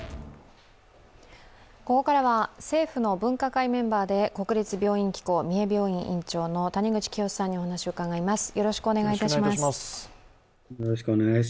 ここからは、政府の分科会メンバーで国立病院機構三重病院院長の谷口清州さんにお話を伺います。